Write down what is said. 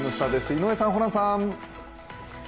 井上さん、ホランさん。